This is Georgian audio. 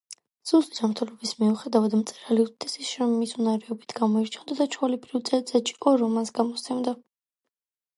სუსტი ჯანმრთელობის მიუხედავად, მწერალი უდიდესი შრომისუნარიანობით გამოირჩეოდა და ჩვეულებრივ, წელიწადში ორ რომანს გამოსცემდა.